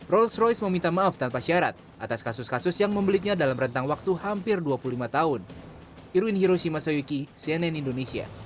rolls royce meminta maaf tanpa syarat atas kasus kasus yang membelitnya dalam rentang waktu hampir dua puluh lima tahun